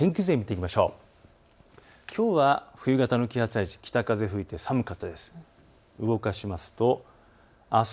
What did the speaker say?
きょうは冬型の気圧配置、北風が吹いて寒かったです。